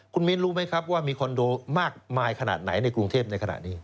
คุณมิ้นรู้ไหมครับว่ามีคอนโดมากมายขนาดไหนในกรุงเทพในขณะนี้